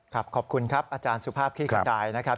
ครับขอบคุณครับอาจารย์สุภาพขี้ขัดดายนะครับ